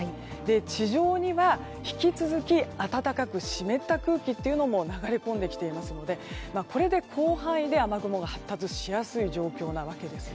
地上には引き続き暖かく湿った空気というのも流れ込んできていますのでこれで広範囲で雨雲が発達しやすい状況なわけです。